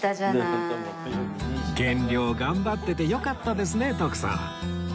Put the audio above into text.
減量頑張っててよかったですね徳さん